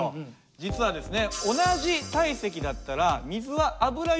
実はですね